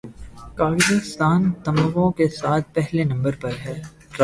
Kazakhstan تمغوں کے ساتھ پہلے نمبر پر رہا